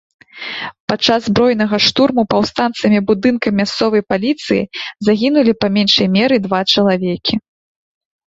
Падчас збройнага штурму паўстанцамі будынка мясцовай паліцыі загінулі па меншай меры два чалавекі.